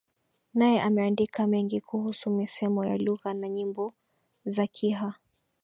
naye ameandika mengi kuhusu misemo ya lugha na nyimbo za Kiha